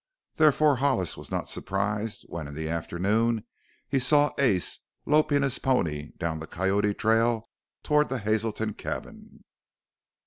Therefore Hollis was not surprised when in the afternoon he saw Ace loping his pony down the Coyote trail toward the Hazelton cabin.